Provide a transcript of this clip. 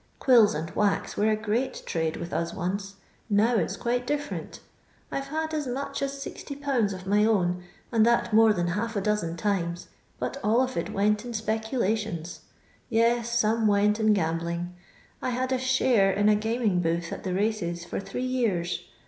Quills and wax were a great trade with us once; nntv it's quite different. I 'to had as much as 60/. of my own, and that more than half a di)aen times, but all of it went in speculations. Yes, some went in gambling. I had a share in a gnming booth at the races, for three years.